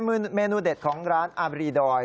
เมนูเด็ดของร้านอาบรีดอย